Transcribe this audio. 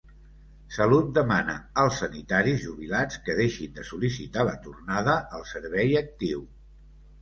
Salut demana als sanitaris jubilats que deixin de sol·licitar la tornada al servei actiu